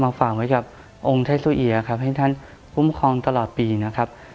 มาฝากไว้กับองค์ไทยสุอิยนะครับให้ท่านภูมิคลองตลอดปีนะครับ